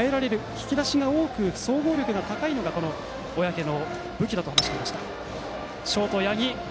引き出しが多く総合力が高いのが小宅の武器だと話します。